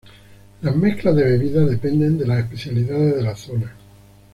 Las mezclas de bebidas dependen de las especialidades de la zona.